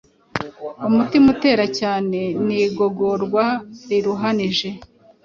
umutima utera cyane n’igogorwa riruhanije